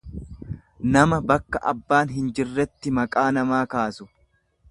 nama bakka abbaan injirretti maqaa namaa kaasu.